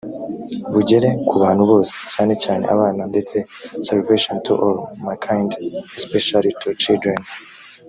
bugere ku bantu bose cyane cyane abana ndetse salvation to all mankind especially to children